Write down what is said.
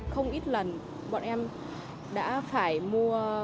không ít lần bọn em đã phải mua